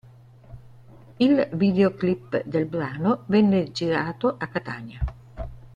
Il videoclip del brano venne girato a Catania.